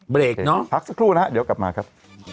เบรกเนอะพักสักครู่นะฮะเดี๋ยวกลับมาครับ